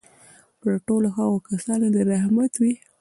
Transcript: پر ټولو هغو کسانو دي رحمت وي.